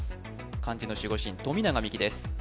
漢字の守護神富永美樹です